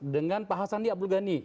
dengan pak hasandi abdul ghani